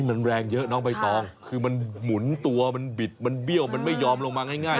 มันแรงเยอะน้องใบตองคือมันหมุนตัวมันบิดมันเบี้ยวมันไม่ยอมลงมาง่าย